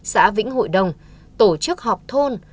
xã vĩnh hội đồng tổ chức họp thôn